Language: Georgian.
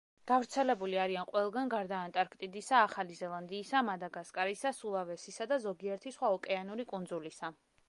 გავრცელებული არიან ყველგან გარდა ანტარქტიდისა, ახალი ზელანდიისა, მადაგასკარისა, სულავესისა და ზოგიერთი სხვა ოკეანური კუნძულისა.